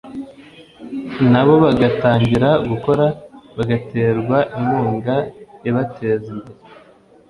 nabo bagatangira gukora bagaterwa inkunga ibateza imbere